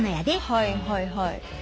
はいはいはい。